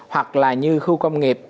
hoặc là như khu công nghiệp